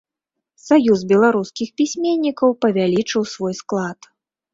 Саюз беларускіх пісьменнікаў павялічыў свой склад.